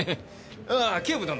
あぁ警部殿。